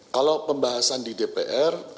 kalau pembahasan di dpr